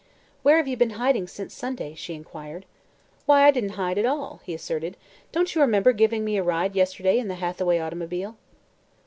"Where have you been hiding since Sunday?" she inquired. "Why, I didn't hide at all," he asserted. "Don't you remember giving me a ride yesterday in the Hathaway automobile?"